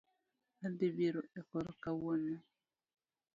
Adhi biro e kor kawuono